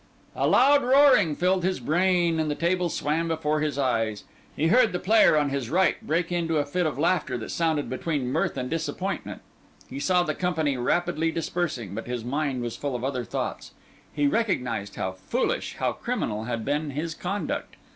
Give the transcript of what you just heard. A loud roaring filled his brain, and the table swam before his eyes. He heard the player on his right break into a fit of laughter that sounded between mirth and disappointment; he saw the company rapidly dispersing, but his mind was full of other thoughts. He recognised how foolish, how criminal, had been his conduct.